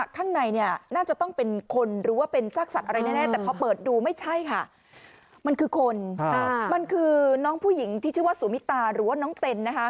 แต่พอเปิดดูไม่ใช่ค่ะมันคือคนมันคือน้องผู้หญิงที่ชื่อว่าสุมิตาหรือว่าน้องเต็นนะคะ